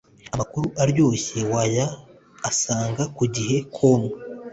Amakuru aryoshye wayaasanga kugihe com